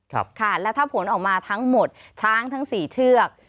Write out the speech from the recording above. ครับค่ะและถ้าผลออกมาทั้งหมดช้างทั้งสี่เชือก